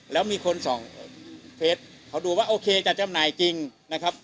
แล้วมีคนส่องเฟสเขาดูว่าโอเคจะจำหน่ายจริงนะครับ